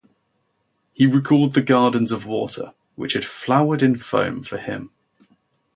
He recalled the gardens of water which had flowered in foam for him.